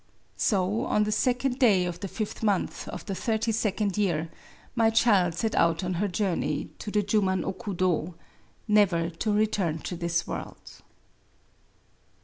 So, on the second day of the fifth month of the thirty second year, my child set out on her journey to the Juman" okudo^ — never to return to this world.